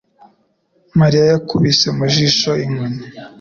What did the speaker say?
Mariya yakubise mu jisho inkoni.